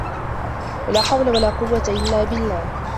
وَلَا حَوْلَ وَلَا قُوَّةَ إلَّا بِاَللَّهِ